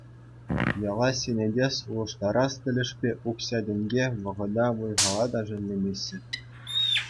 Яла ҫӗнетес, улӑштарас тӗлӗшпе укҫа-тенке, вӑхӑта, вӑй-хала та шеллемеҫҫӗ.